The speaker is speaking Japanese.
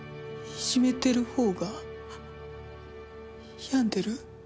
いじめてる方が病んでる？